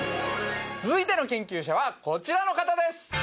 続いての研究者はこちらの方です